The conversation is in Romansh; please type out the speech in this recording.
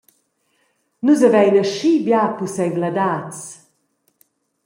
«Nus havein aschi bia pusseivladads.